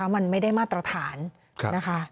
มันไม่ได้มาตรฐานนะคะ